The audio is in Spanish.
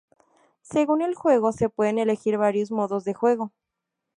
Según el juego, se pueden elegir varios modos de juego.